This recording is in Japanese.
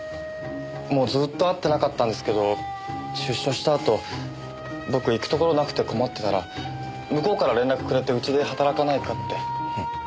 もうずーっと会ってなかったんですけど出所したあと僕行くところなくて困ってたら向こうから連絡くれてうちで働かないかって。